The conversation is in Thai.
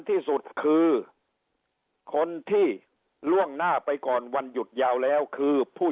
ที่สุดคือคนที่ล่วงหน้าไปก่อนวันหยุดยาวแล้วคือผู้